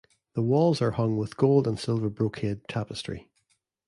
The walls are hung with gold and silver brocade tapestry.